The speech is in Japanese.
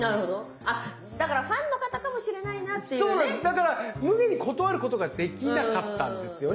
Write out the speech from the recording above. だからむげに断ることができなかったんですよね。